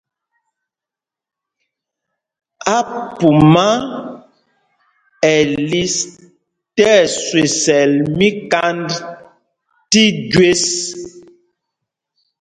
Ápumá ɛ liš tí ɛswesɛl míkand tí jüés.